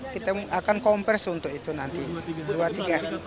kita akan kompers untuk itu nanti dua tiga hari